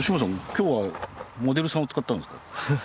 今日はモデルさんを使ったんですか？